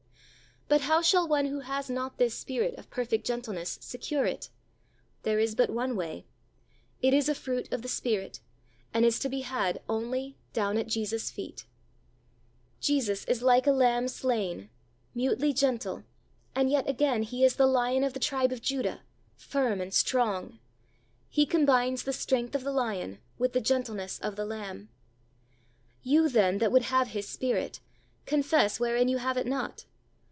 But how shall one who has not this spirit of perfect gentleness secure it? There is but one way. It is a fruit of the Spirit, and is to be had only down at Jesus' feet. 154 THE soul winner's secret. Jesus is like a "lamb slain," mutely gentle, and yet again He is "the Lion of the tribe of Judah" — firm and strong. He combines the strength of the lion with the gentleness of the lamb. You, then, that would have His Spirit, confess wherein you have it not.